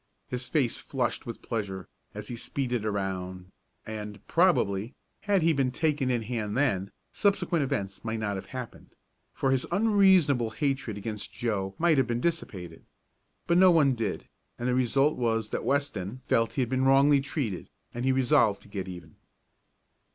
His face flushed with pleasure, as he speeded around, and, probably, had he been taken in hand then, subsequent events might not have happened, for his unreasonable hatred against Joe might have been dissipated. But no one did, and the result was that Weston felt he had been wrongly treated, and he resolved to get even.